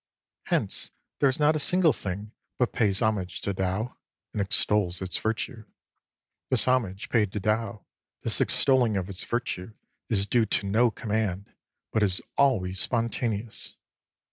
Hence there is not a single thing but pays homage to Tao and extols its Virtue. This homage paid to Tao, this extolling of its Virtue, is due to no command, but is always spontaneous.